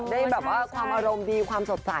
ได้แบบว่าความอารมณ์ดีความสดใส